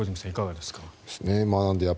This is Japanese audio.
いかがですか？